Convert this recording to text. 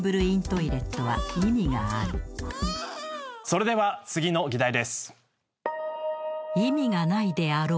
それでは次の議題です。